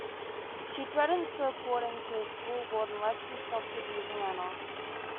She threatens to report him to the school board unless he stops abusing Anna.